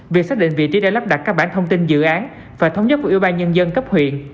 việc xác định vị trí để lắp đặt các bản thông tin dự án phải thống nhất của ubnd cấp huyện